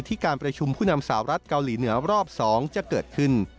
การประชุมผู้นำสาวรัฐเกาหลีเหนือรอบ๒จะเกิดขึ้น